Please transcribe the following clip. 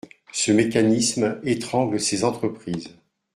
Ce mécanisme étrangle ces entreprises.